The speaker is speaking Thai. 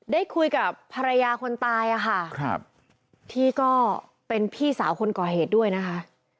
ได้คุยกับภรรยาคนตายอะค่ะครับที่ก็เป็นพี่สาวคนก่อเหตุด้วยนะคะ